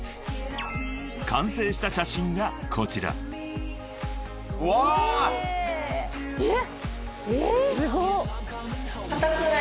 ［完成した写真がこちら］えっ！？